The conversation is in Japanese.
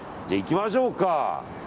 じゃあ、いきましょうか。